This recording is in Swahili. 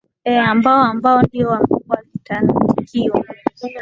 ee ambao ambao ndio walitakiwa